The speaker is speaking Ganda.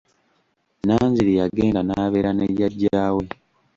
Nanziri yagenda n'abeera ne jjajja we.